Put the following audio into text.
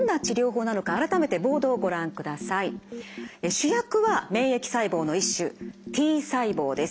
主役は免疫細胞の一種Ｔ細胞です。